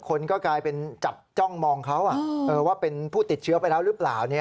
คนก็กลายเป็นจับจ้องมองเขาว่าเป็นผู้ติดเชื้อไปแล้วหรือเปล่า